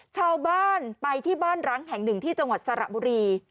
ชาวบ้านไปที่บ้านร้างแห่งหนึ่งที่จังหวัดสระบุรี